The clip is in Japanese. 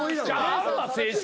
あるわ正式なの。